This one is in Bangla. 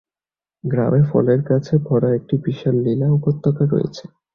গ্রামে ফলের গাছে ভরা একটি বিশাল লীলা উপত্যকা রয়েছে।